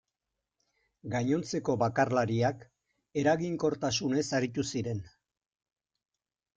Gainontzeko bakarlariak eraginkortasunez aritu ziren.